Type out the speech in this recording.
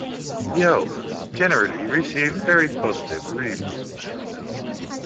The album generally received very positive reviews.